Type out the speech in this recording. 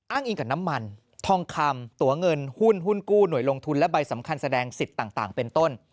อิงกับน้ำมันทองคำตัวเงินหุ้นหุ้นกู้หน่วยลงทุนและใบสำคัญแสดงสิทธิ์ต่างเป็นต้น